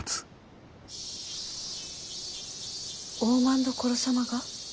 大政所様が？